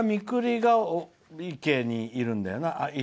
みくりが池にいるんだよな。